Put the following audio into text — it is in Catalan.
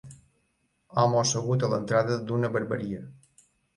Home assegut a l'entrada d'una barberia.